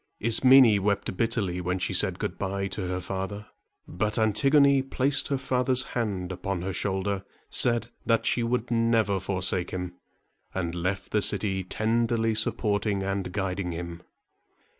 Ismene wept bitterly when she said good by to her father; but Antigone placed her father's hand upon her shoulder, said that she would never forsake him, and left the city, tenderly supporting and guiding him.